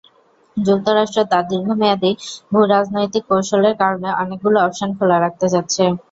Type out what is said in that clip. যুক্তরাষ্ট্র তার দীর্ঘমেয়াদি ভূরাজনৈতিক কৌশলের কারণে অনেকগুলো অপশন খোলা রাখতে চাচ্ছে।